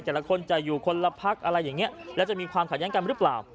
แต่แก่ละคนจะอยู่คนละพักและมีความไขยั้งกันรึเปล่า